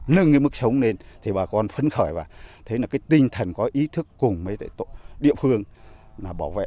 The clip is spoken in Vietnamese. nâng mức sống lên thì bà con phấn khởi và thấy tinh thần có ý thức cùng với địa phương bảo vệ